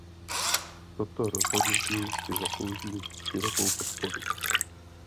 Toto rozhodnutí si zaslouží širokou podporu.